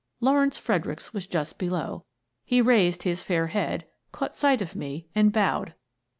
Lawrence Fredericks was just below. He raised his fair head, caught sight of me and bowed.